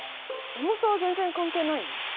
重さは全然関係ないの？